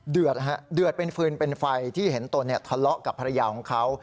เดือดนะฮะเดือดเป็นฟืนเป็นไฟที่เห็นตัวเนี่ยทะเลาะกับภรรยาของเขา